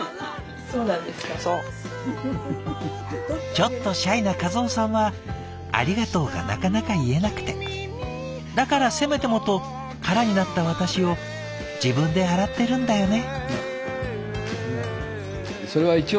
「ちょっとシャイな和雄さんはありがとうがなかなか言えなくてだからせめてもと空になった私を自分で洗ってるんだよね」。